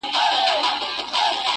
چی له ظلمه دي خلاص کړی یمه خوره یې -